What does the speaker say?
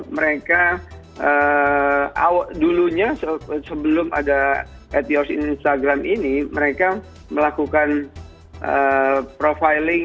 mereka dulunya sebelum ada at yours instagram ini mereka melakukan profiling